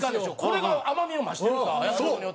これが甘みを増してるんですよ。